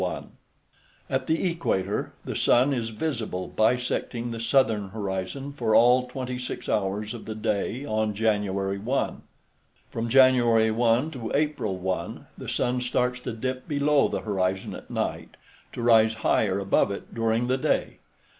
At the equator, the sun is visible bisecting the southern horizon for all 26 hours of the day on January 1. From January 1 to April 1, the sun starts to dip below the horizon at night, to rise higher above it during the day.